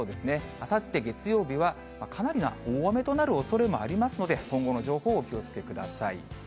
あさって月曜日は、かなりの大雨となるおそれもありますので、今後の情報、お気をつけください。